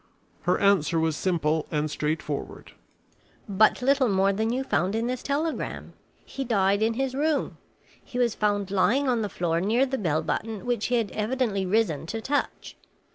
Her answer was simple and straightforward. "But little more than you find in this telegram. He died in his room. He was found lying on the floor near the bell button, which he had evidently risen to touch.